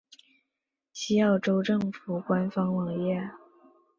西澳州政府官方网页